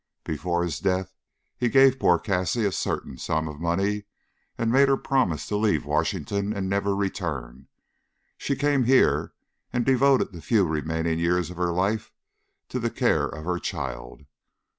Before his death he gave poor Cassie a certain sum of money, and made her promise to leave Washington and never return. She came here and devoted the few remaining years of her life to the care of her child.